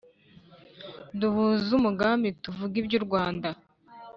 Duhuze umugambi tuvuge iby'u Rwanda